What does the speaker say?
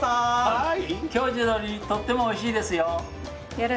はい。